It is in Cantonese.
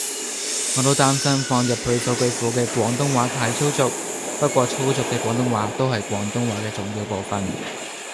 我都擔心放入去數據庫嘅廣東話太粗俗，不過粗俗嘅廣東話都係廣東話嘅重要部份